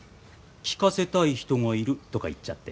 聴かせたい人がいるとか言っちゃって。